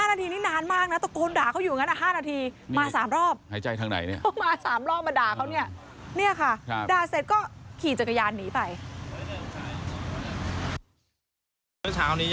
๕นาทีนี่นานมากนะตะโกนด่าเขาอยู่อย่างนั้น๕นาที